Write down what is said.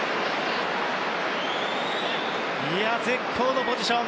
絶好のポジション。